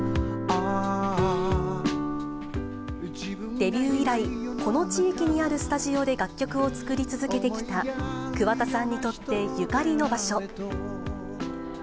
デビュー以来、この地域にあるスタジオで楽曲を作り続けてきた、桑田さんにとってゆかりの場所。